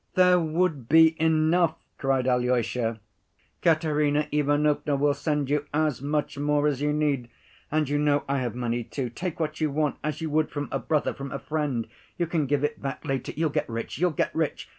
"There would be enough!" cried Alyosha. "Katerina Ivanovna will send you as much more as you need, and you know, I have money too, take what you want, as you would from a brother, from a friend, you can give it back later.... (You'll get rich, you'll get rich!)